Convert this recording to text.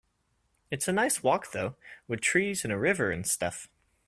It's a nice walk though, with trees and a river and stuff.